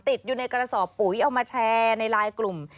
ติดอยู่ในกระสอบปุ๋ยเอามาแชร์ในไลน์กลุ่ม